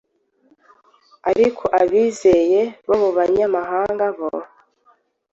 Ariko abizeye bo mu banyamahanga bo,